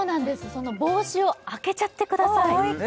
その帽子を開けちゃってくださいえっ